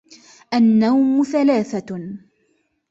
النَّوْمُ ثَلَاثَةٌ